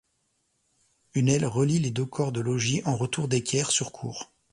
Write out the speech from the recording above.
Une aile relie les deux corps de logis en retour d'équerre sur cour.